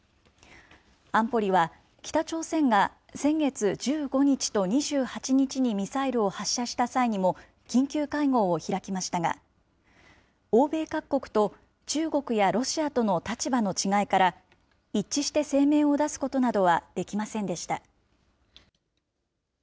安保理は、北朝鮮が先月１５日と２８日にミサイルを発射した際にも、緊急会合を開きましたが、欧米各国と中国やロシアとの立場の違いから、一致して声明を出すことなどはできませんでした。